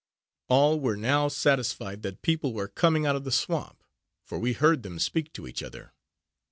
All were now satisfied that people were coming out of the swamp, for we heard them speak to each other.